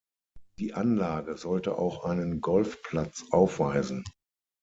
Die Anlage sollte auch einen Golfplatz aufweisen.